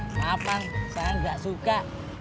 maaf mak saya gak suka